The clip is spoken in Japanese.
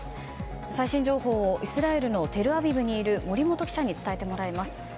最新情報をイスラエルのテルアビブにいる森元記者に伝えてもらいます。